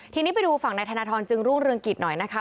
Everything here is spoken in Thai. ทีนี้ไปดูฝั่งนายธนทรจึงรุ่งเรืองกิจหน่อยนะคะ